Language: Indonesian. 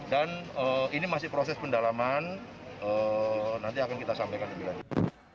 dan ini masih proses pendalaman nanti akan kita sampaikan lebih lanjut